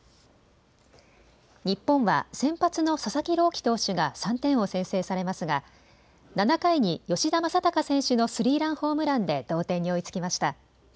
日本は先発の佐々木朗希投手が３点を先制されますが７回に吉田正尚選手のスリーランホームランで同点に追いつきました。